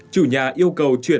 chủ nhà yêu cầu chuyển